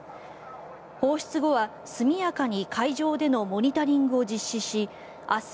放出後は速やかに海上でのモニタリングを実施し明日